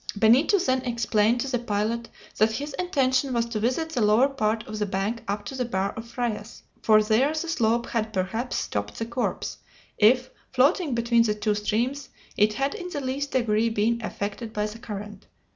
Benito then explained to the pilot that his intention was to visit the lower part of the bank up to the Bar of Frias, for there the slope had perhaps stopped the corpse, if, floating between the two streams, it had in the least degree been affected by the current.